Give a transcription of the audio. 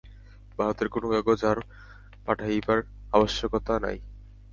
ভারতের কোন কাগজ আর পাঠাইবার আবশ্যকতা নাই।